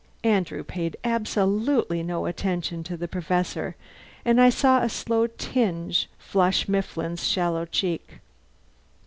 Andrew paid absolutely no attention to the Professor, and I saw a slow flush tinge Mifflin's sallow cheek.